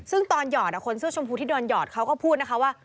ซึ่งตอนหยอดคนเสื้อชมพูที่โดนหยอดเขาก็พูดนะคะว่า